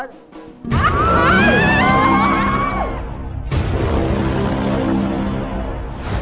กรรม